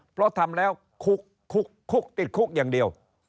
เพราะทำแล้วคุกติดคุกอย่างเดียว